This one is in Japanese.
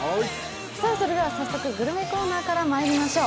それでは早速グルメコーナーからまいりましょう。